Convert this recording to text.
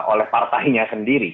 oleh partainya sendiri